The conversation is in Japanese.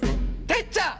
てっちゃん？